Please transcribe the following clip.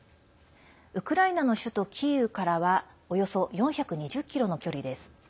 ウクライナの首都キーウからはおよそ４２０ｋｍの距離です。